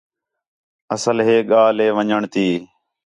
اصل ہے ڳالھ ہے ون٘ڄݨ تی